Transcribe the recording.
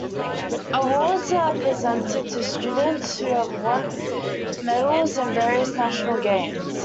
Awards are presented to students who have won medals in various national games.